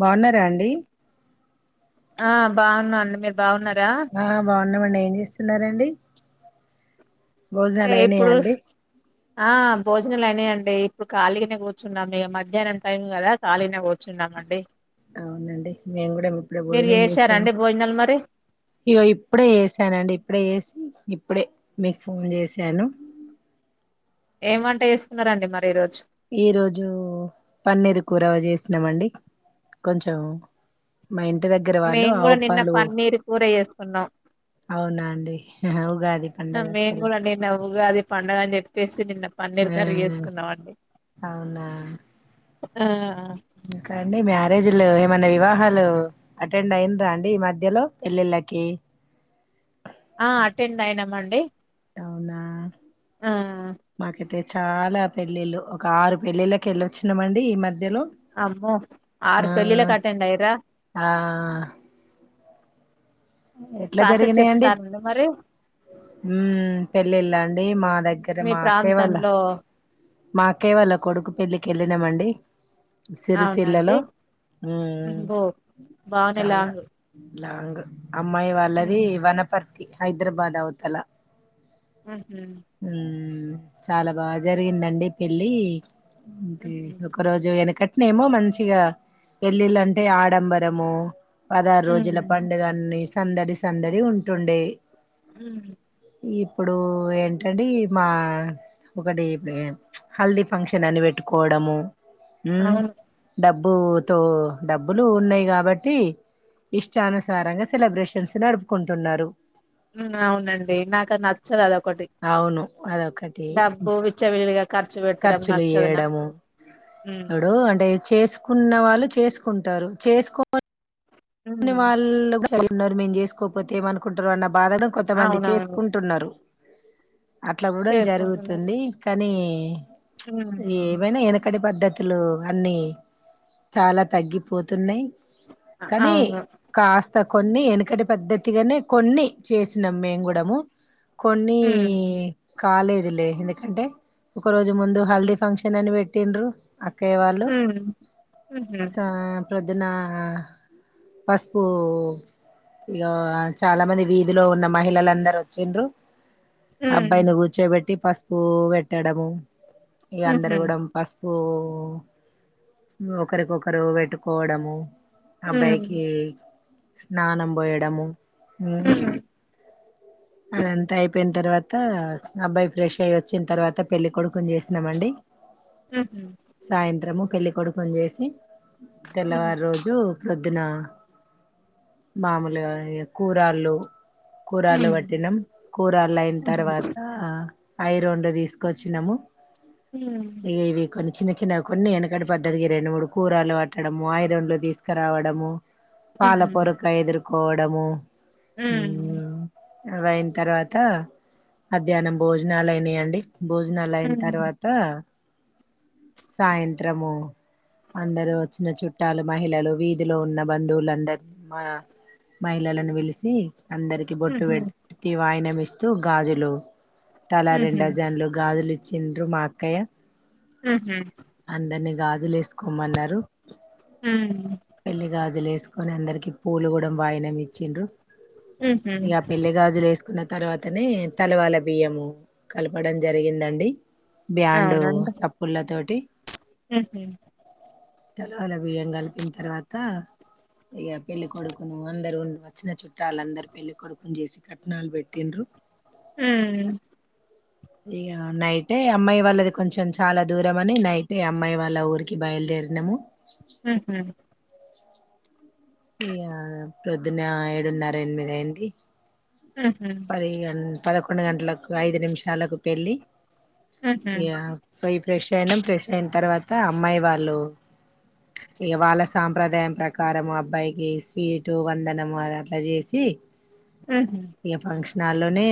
బాగున్నారా అండి ఆ బాగున్నాండి మీరు బాగున్నారా ఆ బాగున్నామండి ఏం చేస్ తిన్నారండి ఏప్పుడు ఆ భో ఇలానే అంటే ఇప్పుడు ఖాళీగానే కూర్చున్నాం ఇక మధ్యాహ్నం టైం కదా ఖాళీనే కూర్చున్నాం అండి అవునండి మేము కూడా ఇప్పుడే భోజనం చేసాం చేసారండి భోజనాలు మరి ఇగో ఇప్పుడే చేసానండి ఇప్పుడే చేసి ఇప్పుడే మీకు ఫోన్ చేశాను ఏం వంట చేసుకున్నారండి మరి ఈ రోజు ఈ రోజు పన్నీరు కూరవ చేసినామండి కొంచెం మా ఇంటి దగ్గర వాళ్ళు మేము కూడా ఆవు నిన్న పాలు పన్నీర్ కూర చేసుకున్నాం అవునా అండి హా ఉగాది పండగ మేము అసలు కూడా నిన్న ఉగాది పండగ అని చెప్పేసి నిన్న పన్నీర్ ఆ కర్రీ చేసుకున్నామండి ఆ మీకండి మ్యా మ్యారేజీలు ఏమైనా వివాహాలు అటెండ్ అయినరా అండి ఈ మధ్యలో పెళ్ళిళ్ళకి ఆ అటెండ్ అయినాం అండి అవునా నాకైతే చాలా పెళ్ళిళ్ళు ఒక ఆరు పెళ్ళిళ్ళకి వెళ్ళొచ్చినామండి ఈ మధ్య అబా ఆరు పెళ్ళిళకీ అటెండయ్యారా ఆ ఎట్లా జరిగినాయండి చెప్తారండి మరి పెళ్ళిళ్ళ అండి మా దగ్గర మీ మా అక్కయ్య వాళ్ళ ప్రాంతంలో మా అక్కయ్య వాళ్ళ కొడుకు పెళ్లికి వెళ్ళినామండి సిరిసిల్లలో అవునండి ఉ బో బానే చాలా లాంగ్ లాంగ్ అమ్మాయి వాళ్ళది ఉహు వనపర్ హైదరాబాద్ అవతలా ఆహ చాలా బాగా జరిగిందండి దే పెళ్లి అంటే ఉహు ఒక రోజు వెనక నే ఏమో మంచిగా పెళ్లిలుఅంటే ఆడంబరము పదహారు రోజుల ఉమ్ పండుగన్న సందడి సందడి ఉంటుండే అ ఇప్పుడు ఏంటండి మా ఒకటి హల్దీ ఫంక్షన్ అని పెట్టుకోవడము హ్మ్ అవును డ డబ్బు తో డబ్బులు ఉన్నాయి కాబట్టి ఇష్టానుసారంగా సెలబ్రేషన్స్ నడుపుకుంటున్నారు అవునండి నాకది నచ్చదు అదోకటి అవును అదొకటి డబ్బు విచ్చలవిడిగా ఖర్చు పెట్టడం ఖర్చులు నచ్చదు నాకు చేయడము ఇప్పుడు అంటే చేసు ఉన్న వాళ్ళు చేసుకుంటారు చేసుకోొ నీ ఉమ్ వాళ్ మరి మేం చేసుకోపోతే ఏమనుకుంటారు అన్న బాధలో కొంతమంది అవునవును చేసుకుంటున్నారు అట్లా కూడా చేసుకుంటున్నారు జరుగుతుంది కానీ ఈ హ్మ్. ఏమైనా ఎనకడి పద్ధతులే మల్లి చాలా తగ్గిపోతున్నాయి అ కానీ అవును కాస్త కొన్ని ఎనుకటి పద్ధతిగానే కొన్ని చేస్తున్నాం మేము కూడాము కొన్ని ఉమ్ కాలేదులే ఎందుకంటే ఒక రోజు ముందు హల్దీ ఫంక్షన్ అని పెట్టిండ్రు అక్కే వాళ్ళు ఉమ్ ఉహు పొద్దున ఆ పసుపు ఇక చాలా మంది వీధిలో ఉన్న మహిళలందరుూ వచ్చిండ్రు ఉమ్ అబ్బాయిని కూర్చోబెట్టి పసుపు పెట్టడము ఇ అందరు ఉహు కూడా పస్ ఒకరికొకరు పెట్టుకోవడము ఉమ్ అబ్బాయికి స్నానం పోయడము హ అదంతా అయి పోయిన తర్వాత అబ్బాయి ఫ్రెష్ అయి వచ్చిన తర్వాత పెళ్ళి కోడుకుని చేసినమండి ఉమ్ ఉహు సాయంత్రము పెళ్ళికొడుకుని చేసి తెల్లవారు రోజు పొద్దున మామూలుగా కూరాళ్ళు కూరలు ఉమ్ పట్టినాం కూరలు అయిన ఉమ్ ఉమ్ తర్వాత ఐరోలో తీసుకొచ్చినాము ఇగ ఇవి కోని చిన్న చిన్న కొన్ని వెనకడి పద్ధతికి రెండు మూడు కూరలు ఆట్టడము ఐరోలు తీసుకు కిరావడము పాల ఉహు పొరుకా ఎదుర్క కోవడము ఉమ్ అవ అయిన తర్వాత మధ్యాహ్నం భోజనాలు అయినాయండి భోజనాలు అయిన తర్వాత సాయంత్రము అందరు వచ్చిన చుట్టాలు మహిళలు వీధిలో ఉన్న బంధువులందరి మా మహిళలను పిలిసి అందరికి బొట్టు ఉహు పెట్టి వాయినం ఇస్త తో గాజులు తల ఉహు రెండజన్లు గాజులి చిండ్రు మా అక్కయ్య ఉహూ జులు ఏసుకోమన్నరు ఉమ్ పెళ్లి గాజులు వేసుకొని అందరికి పూలు కూడా వాయినం ఇచ్చిండ్రు ఉహు ఇగ పెళ్లి గాజులు వేసుకున్న తర్వాతనే తలవాల బియ్యము కలపడం జరిగిందండి బ్యాండు అవునండి చప్పుల్లతో టి ఉహు తలవాల బియ్యం కలిపిన తర్వాత ఇక పెళ్ళి కొడుకును అందరు ఉండు వచ్చిన చుట్టాలందరు పెళ్లి కొడుకుని చూసి కట్నాలు పెట్టిండ్రు ఉమ్ ఇగ నైటే అమ్మాయి వాళ్ళది కొంచెం చాలా దూరం అని నైటే అమ్మాయి వాళ్ళ ఊరికి బయలుదేరినము ఉహు ఇగా పొద్దున ఏడున్నర ఎనిమిదయింది ఉహు పది గం పదకొండు గంటలకు ఐదు నిమిషాలకు పెళ్ళి ఉహు ఇగ ఫ్రెష్ అయినం ఫ్రెష్ అయిన తర్వాత అమ్మాయి వాళ్ళు ఇక వాళ్ళ సాంప్రదాయం ప్రకారం అబ్బాయికి స్వీటు వందనం అట్ల చేసి ఆహ ఇక ఫంక్షన్ హాల్లోనే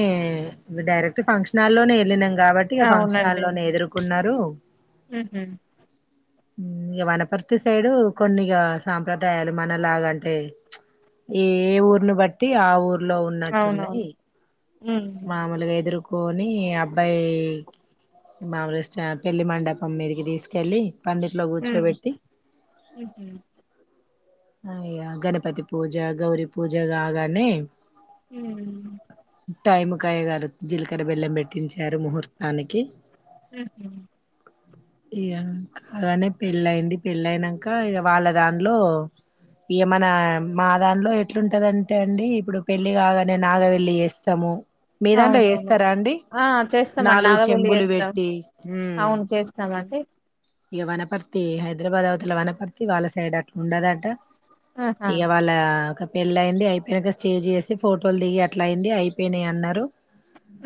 డైరెక్ట్ ఫంక్షన్ హాల్లోనే వెళ్ళిన కాబట్టి ఇగ ఫంక్షన్ అవునండి హాల్లోనే ఎదురుకున్నరు ఉహు ఇగ వనపర్తి సైడు కొన్ని ఇగ సాంప్రదాయాలు మన లాగంటే ఈ ఏ ఊర్లు బట్టి ఆ ఊర్లో ఉ అవునవును హ్మ్ మామూలుగా ఎదురుకో కొని అబ్బాయి మామూలుగా పెళ్లి మండపం మీదకి తీసుకెళ్ళి పందిట్లో హ్మ్ కూర్చోబెట్టి ఉహు ఆ ఇగ గణపతి పూజ గౌరి పూజ కాగానే ఉమ్ [unintelligible] జీలకర బెల్లం పెట్టి ఉంచారు ముహూర్తానికి ఉహు ఇగ కాగానే పెళ్ళయింది పెళ్ళయినంక ఇక వాళ్ళ దాంట్లో ఇగ మన మా దాంట్లో ఎట్లుంటదంటే అండి ఇప్పుడు పెళ్లి కాగానే నాగవెళ్లి చేస్తము మీదాంట్లో అవునవును చేస్తరా అండి ఆ చేస్తామండి నాలుగు నాగబెల్లి చెంబులు చేస్తాం పెట్టి అవును చేస్తామండి ఇక వనపర్తి హైదరాబాద్ అవతల వనపర్తి వాళ్ళ సైడ్ అట్ల ఉండదట ఆహా ఇక వాళ్ళ పెళ్ళి అయింది అయిపోయినాక స్టేజ్ చేసి ఫోటోలు దిగి అట్లా అయింది అయిపోయినాయి అన్నారు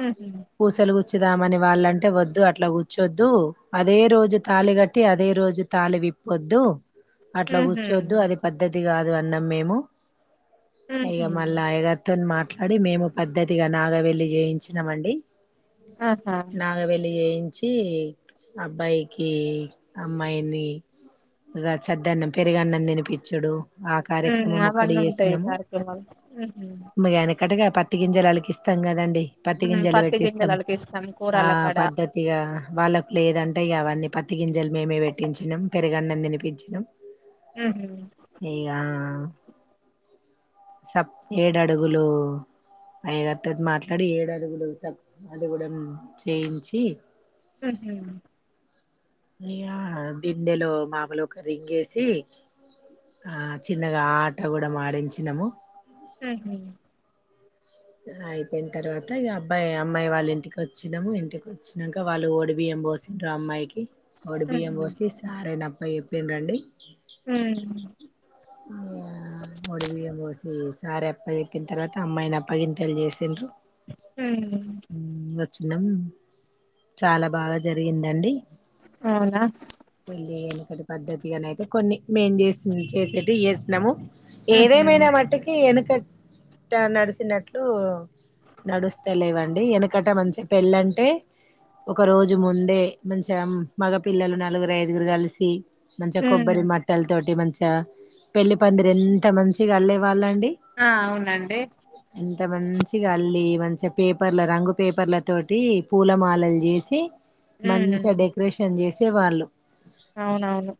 ఉహు పూసలుగు కూర్చుదామని వాళ్ళంటే వద్దు అట్లా కూర్చొద్దు అదే రోజు తాలిగట్టి అదే రోజు తాలి విప్పొద్దు అట్లా ఉహు కూర్చోవద్దు అది పద్దతి ఇది కాదు అన్నాం మేము ఇగ ఉహు మల్ల అయ్యగారితో అధి మేము పద్ధతిగా నాగ వెళ్లి చేయించినాం అండి ఆహా నాగ వెల్లి చి అబ్బాయ్కి కి అమ్మాయిని ఈ రాచెద్దన్నం పెరుగన్నం తినిపచ్చుడు ఉమ్ అవన్నీ ఉంటాయి కార్యక్రమాలు అక్కటగా పత్తి గింజలు అలికిస్తాం కదండి పత్తి హ్మ్ గింజలు పత్తి పెట్టిస్తాం గింజలు అలికిస్తాం ఆ కూరల కాడ పద్ధతి గా వల్లకి లేదంటే అవన్నీ పత్తి గింజలు మేమే పెట్టించినం పెరుగన్న తినిపించినం ఉహు ఇగా సప్ ఏడు అడుగులు అయ్యగారితోటి మాట్లాడి ఏడుడుగులు సప్ అది కూడా చేయించి ఉహుమ్ అయ్యా బిందెలో మామూలు ఒక రింగేసి ఆ చిన్నగా ఆట కూడా మాడించినము హుమ్ అయిపోయిన తర్వాత అబ్బాయి అమ్మాయి వాళ్ళ ఇంటికి వచ్చినము ఇంటికి వచ్చినాక వాళ్ళు ఓడి బియ్యం పోసండ్ర అమ్మాయికి ఒడి బియ్యం ఉహు వోసి సారే నా పై చెప్పిను రండి హ్మ్ ఆ ఓడి బియ్యం పోసి సారె అప్ప చెప్పిన తర్వాత అమ్మాయిన అపగింతలు చేసిండ్రు హ్మ్ వుండాచ్చు నం చాలా బాగా జరిగిందండి అవునా పెళ్లి ఎనకట్టి పద్ధతి ఇగాన అయితే కొన్ని మేం చేసి చేసేట్టు చేస్తున్నాము ఉహు ఏదేమైనా మాట్టికి వెనుక ఇట్ట నడిసినట్టు నడుస్త లేవండి వెనకట మంచిగా పెళ్ళంటే ఒక రోజు ముందే మంచిగా మగ పిల్లలు నలుగురు ఐదుగురు కలిసి మంచిగా హ్మ్ కొబ్బరి మట్టల తోటి మంచి చ పెళ్లి పందిరి ఎంత మంచిగా అళ్లేే వాళ్ళండి ఆ అవునండి ఇంత మంచిగా అళ్ళి మంచిగా పేపర్ల రంగు పేపర్ల తోటి పూల మాలలు చేసి హ్మ్ మంచిగ డకరేషన్ చేసి తె వాళ్ళు అవునవును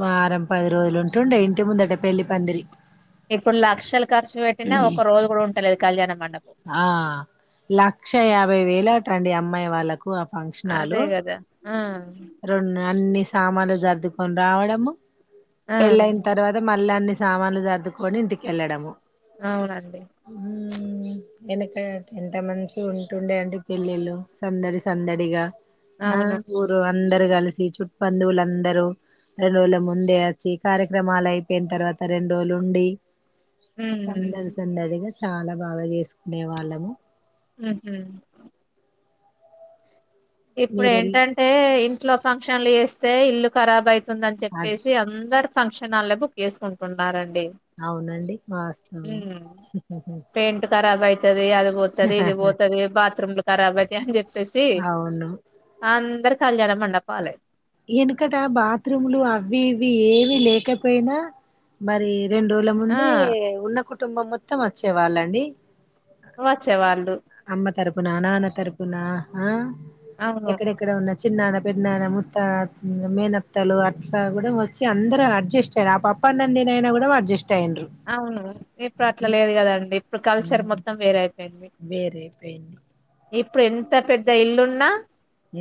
వారం పది రోజులు ఉంటుండే ఇంటి ముందట పెళ్లి పందిరి ఇప్పుడు లక్షలు ఖర్చు పెట్టినా ఒక రోజు కూ ఉంటలేదు కళ్యాణం మం ఆ లక్ష యాభై వేల అట్ టండి అమ్మాయి వాళ్ళకు ఆ అదే ఫంక్షనాలు గదా ఆ రెండు అన్ని సామాన్లు సర్దుకొని రావడము ఆ పెళ్ళయిన్ తర్వాత మళ్ల అన్ని సామాన్లు సర్దుకొని ఇంటికి వెళ్ళడము అవునండి ఊహు వెనకట్ ఎంత మంచి ఉంటుండే అండి పెళ్లిలు సందడి సందడిగా ఆ అవును గురువా అందరు కలిసి చుట్బంధువులుందరూ రెండు రోజుల ముందే వచ్చి కార్యక్రమాలు అయిపోయిన తర్వాత రెండు రోజులుండి హ్మ్ సందరి సందడి గ చాలా బాగా చేసు డేవలము ఉ ఊ ఇప్పుడు మీరెళ్ళి ఏంటంటే ఇం ఇంట్లో ఫంక్షన్లు చేస్తే ఇల్లు ఖరాబ్ అయి తుందని అద్ చెప్పేసి అందరు ఫంక్షన్ ఆల్ ల బుక్ చేసుకుంటున్నారండి అవునండి వాస్తావం హ్మ్ [unintelligible] ఏ అది గొతది ఇది గోతది బాత్రూమ్ లో కరాబ్ ఐతయ్ ఆని చెప్ అవును అందరు కళ్యాణ మండపాలే వెనుకట బాత్రూమ్లు అవి ఇవి ఏవి లేకపోయినా మరి రెండు రోజుల ఆ ముందే ఉన్న కు కుటుంబం మొత్తం వచ్చేవాళ్ళు అండి వచ్చేవాళ్ళు అమ్మ తరపునా నాన్న తరపునా ఆ అవును ఎక్కడెక్కడో ఉన్నా చిన్నాన పెద్ నాన్నము తత్ మేనత్తలు అట్లా కూడా వచ్చి అందరు అడ్జస్ట్ అయ్యారు ఆ పప్పు అన్నం తిని అయినా కూడా అడ్జస్ట్ అయ్యిండ్రు అవును ఇప్పుడు అట్లా లేదు కదా అండి ఇప్పుడు కల్చర్ మొత్తం వేరే అయిపు వేరేపెయింది ఇప్పుడు ఎంత పెద్ద ఇల్లు ఉన్నా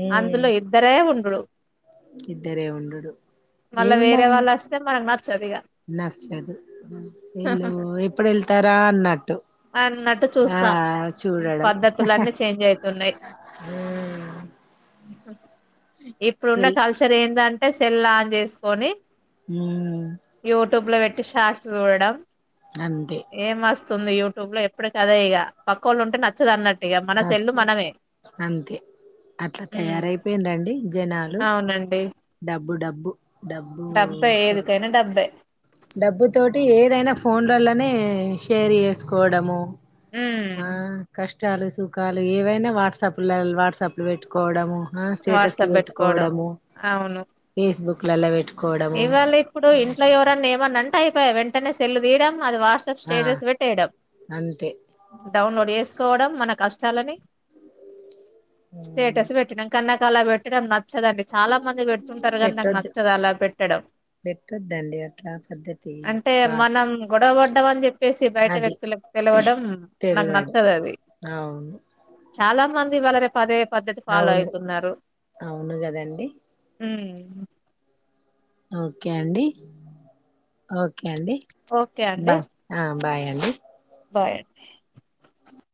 ఉమ్ అందులో ఇద్దరే ఉండుడు ఇద్దరే ఉండుడు మళ్ళా వేరే ఏముందన్ వాళ్ళు వస్తే మనకు నచ్చదు ఇగ నచ్చదు వీళ్ళు ఎప్పుడు వెళ్తారా అన్నట్టు అన్నట్టు ఆ చూస్తాం చూడడం పద్ధతులన్నీ చేంజ్ అయితున్నాయి ఇప్పుడు ఉన్న వెల్ కల్చర్ ఏంది అన్ అంటే సెల్ ఆన్ చేసుకొని ఉమ్ యూట్యూబ్ ల వెట్ టీ షార్ట్స్ చూడడం అంతే తుంది యూట్యూబ్ ల ఎప్పడికి అదే ఇగ పక్కోళ్ళు ఉంటే నచ్చదు అన్నట్టు ఇగ మన సెల్లు నచ్చదు మనమే అంతే అట్లా హ్మ్. తయారైపెయిన్ రండి జనాలు అవునండి డబ్బు డబ్బు డబ్బు డబ్బే ఏదికైనా డబ్బే డబ్బు తోటి ఏదైనా ఫోన్ లలనే షేర్ చేసుకోవడము మా ఉమ్ కస్ట్ కష్టాలు సుఖాలు ఏవైనా వాట్సాప్లు వాట్సాప్ పెట్టుకోవడము ఆ స్టేటస్లు వాట్సాప్ పెట్టుకోవడం పెట్టుకోవడము అవును ఫేస్ బుక్ మిల్లల్లా వెట్ ఇవాళ ఇప్పుడు ఇంట్లో ఎవరన్నా ఏప్ ఏవన్న అంట అయిపాయే వెంటనే సెల్లు తీయడం అది వాట్సాప్ ఆ స్టేటస్ వెట్ ఏయ్యడం అంతే డౌన్లోడ్ చేసు కోవడం మన కష్టాలని ఉమ్, స్టేటస్ పెట్టడం కన్నాకు ఇంకా అలా పెట్టడం నచ్చదండి చాలా మంది పెటుతుంటారు కాగానీ నాకు పెట్టొద్దు నచ్చదు అలా పె పెట్టొద్దండి అట్లా పద్ధతి అంటే కాదు మనం గొడవ పడ్డ అని చెప్పేసి బయట అది వ్యక్తులకు తెలివడం నాకు తెలివడు నచ్చదు అది అవును చాలా మంది వాళ్ళ రేపు అదే పద్ధతి ఫాలో అవును అయితున్నారు అవును కదండి హ్మ్మ్ ఓకే అండి ఓకే కే అండి ఓకే అండి బా బాయ్ అండి బాయ్ అండి